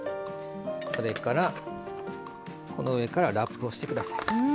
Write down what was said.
それからこの上からラップをして下さい。